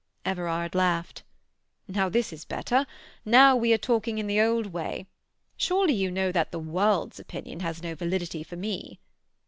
Everard laughed. "Now this is better. Now we are talking in the old way. Surely you know that the world's opinion has no validity for me."